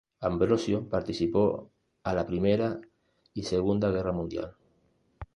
Ambrosio participó a la primera y segunda guerra mundial.